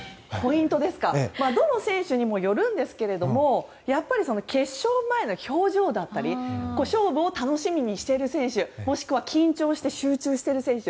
どの選手にもよるんですがやっぱり決勝前の表情だったり勝負を楽しみにしている選手もしくは緊張して集中している選手。